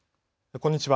こんにちは。